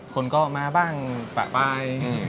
คนก็มาบ้างปะปลาย